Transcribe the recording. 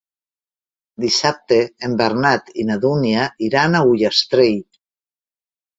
Dissabte en Bernat i na Dúnia iran a Ullastrell.